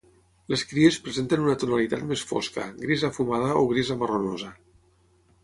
Les cries presenten una tonalitat més fosca, grisa fumada o grisa marronosa.